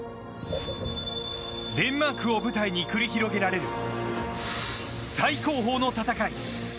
デンマークを舞台に繰り広げられる最高峰の戦い